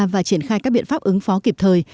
và triển khai các biện pháp ứng phó kịp thời